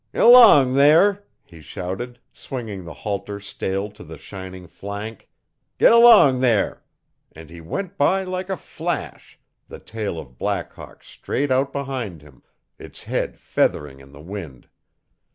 'G'lang there!' he shouted, swinging the halter stale to the shining flank. 'G'lang there!' and he went by, like a flash, the tail of Black Hawk straight out behind him, its end feathering in the wind.